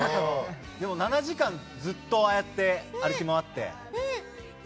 ７時間ずっとああやって歩き回って。